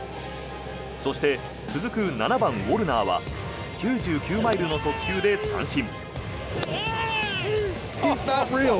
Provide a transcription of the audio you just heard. そして続く７番、ウォルナーは９９マイルの速球で三振。